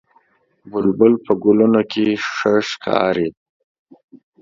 بلبل په ګلونو کې ښه ښکاري